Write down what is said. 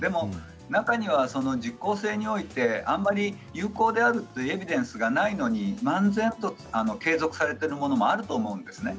中には実効性においてあまり有効であるというエビデンスがないのに漫然と継続されているものもあると思うんですね。